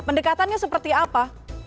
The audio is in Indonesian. pendekatannya seperti apa